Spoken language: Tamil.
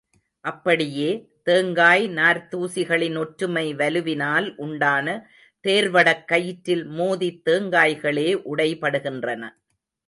அப்படியே, தேங்காய் நார்த்தூசிகளின் ஒற்றுமை வலுவினால் உண்டான தேர்வடக் கயிற்றில் மோதித் தேங்காய்களே உடைபடுகின்றன.